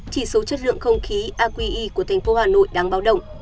chỉ số chất lượng không khí aqe của thành phố hà nội đang báo động